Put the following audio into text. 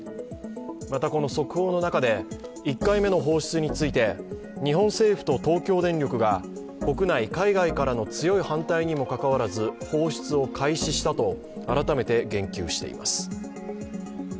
また、この速報の中で１回目の放出について日本政府と東京電力が国内・海外からの強い反対にもかかわらず放出を開始したと改めて言及しています。